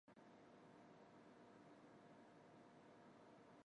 黒竜江省の省都はハルビンである